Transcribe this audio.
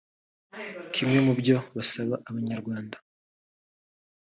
Kimwe mu byo basaba abanyarwanda